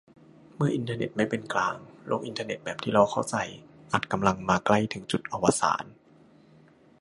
เมื่ออินเทอร์เน็ตไม่เป็นกลาง โลกอินเทอร์เน็ตแบบที่เราเข้าใจ อาจกำลังใกล้มาถึงจุดอวสาน